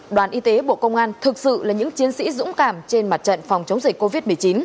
đoàn y tế bộ công an thực sự là những chiến sĩ dũng cảm trên mặt trận phòng chống dịch covid một mươi chín